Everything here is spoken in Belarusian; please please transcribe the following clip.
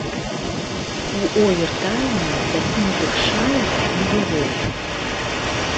У овертайме закінутых шайб не было.